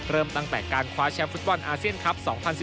เริ่มตั้งแต่การคว้าแชมป์ฟุตบอลอาเซียนคลับ๒๐๑๙